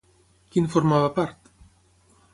Qui en formava part?